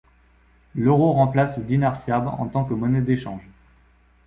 L'euro remplace le dinar serbe en tant que monnaie d'échange.